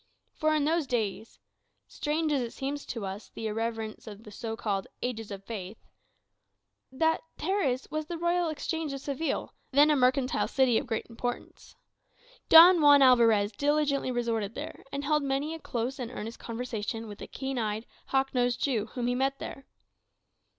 For in those days (strange as seems to us the irreverence of the so called "ages of faith") that terrace was the royal exchange of Seville, then a mercantile city of great importance. Don Juan Alvarez diligently resorted thither, and held many a close and earnest conversation with a keen eyed, hawk nosed Jew, whom he met there.